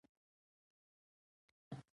افغانستان د وحشي حیواناتو له پلوه متنوع دی.